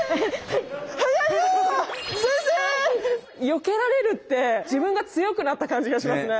よけられるって自分が強くなった感じがしますね。